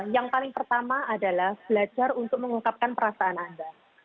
yang paling pertama adalah belajar untuk mengungkapkan perasaan anda